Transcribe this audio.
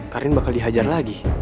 karim bakal dihajar lagi